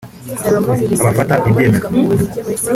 abafata ibyemezo